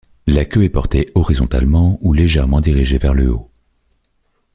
La queue est portée horizontalement ou légèrement dirigée vers le haut.